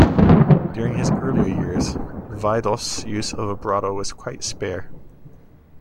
During his earlier years, Wiedoeft's use of vibrato was quite spare.